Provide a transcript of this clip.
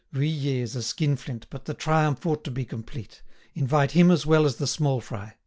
Vuillet is a skinflint, but the triumph ought to be complete: invite him as well as the small fry.